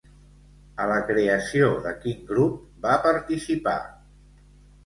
A la creació de quin grup va participar?